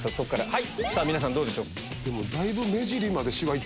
はい。